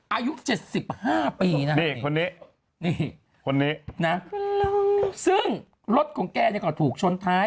อายุเจ็ดสิบห้าปีน่ะนี่คนนี้นี่คนนี้น่ะซึ่งรถของแกเนี่ยก็ถูกชนท้าย